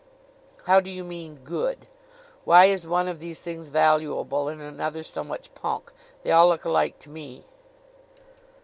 "How do you mean good? Why is one of these things valuable and another so much punk? They all look alike to me."